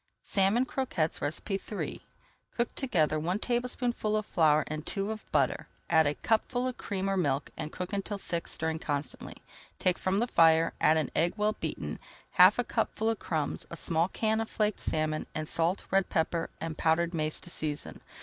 SALMON CROQUETTES III Cook together one tablespoonful of flour and two of butter, add a cupful of cream or milk, and cook until thick, stirring constantly. Take from the fire, add an egg well beaten, half a cupful of crumbs, a small can of flaked salmon, and salt, red pepper, and powdered mace to season.